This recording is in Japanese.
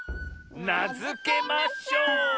「なづけましょう」！